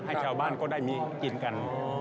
ให้ชาวบ้านก็ได้มีกินกัน